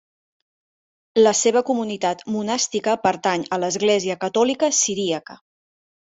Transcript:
La seva comunitat monàstica pertany a l'Església Catòlica Siríaca.